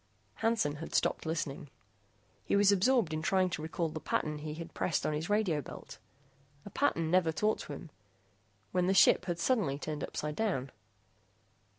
Hansen had stopped listening. He was absorbed in trying to recall the pattern he had pressed on his radio belt a pattern never taught to him when the ship had suddenly turned upsidedown.